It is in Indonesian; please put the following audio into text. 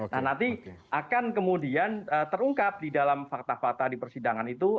nah nanti akan kemudian terungkap di dalam fakta fakta di persidangan itu